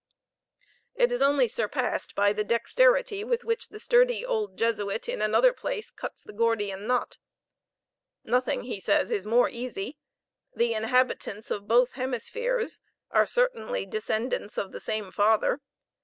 It is only surpassed by the dexterity with which the sturdy old Jesuit in another place cuts the gordian knot "Nothing," says he, "is more easy. The inhabitants of both hemispheres are certainly the descendants of the same father.